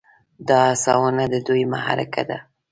دا هڅونه د ودې محرکه ده.